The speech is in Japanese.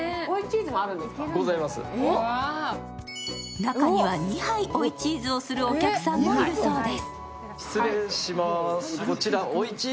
中には２杯追いチーズをするお客さんもいるそうです。